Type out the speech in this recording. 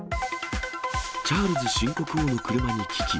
チャールズ新国王の車に危機。